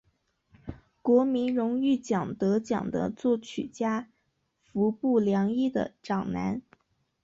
国民荣誉奖得奖的作曲家服部良一的长男。